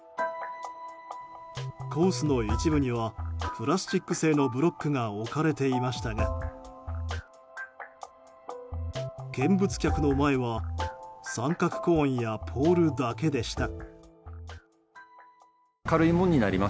コースの一部にはプラスチック製のブロックが置かれていましたが見物客の前は三角コーンやポールだけでした。